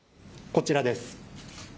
こちらです。